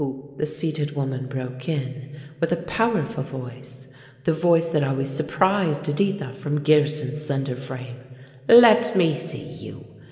The seated woman broke in, with a powerful voice, the voice that always surprised Editha from Gearson's slender frame. "Let me see you!